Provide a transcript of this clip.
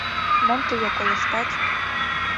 — Мом тыге колыштат?